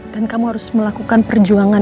dan kamu harus melakukan perjuangan